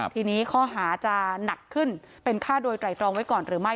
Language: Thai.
ทีนี้ข้อหาจะหนักขึ้นเป็นฆ่าโดยไตรตรองไว้ก่อนหรือไม่